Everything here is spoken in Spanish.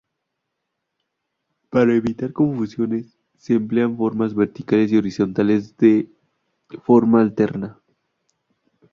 Para evitar confusiones, se emplean formas verticales y horizontales de forma alterna.